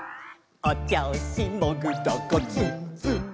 「おちょうしもぐらがズンズン」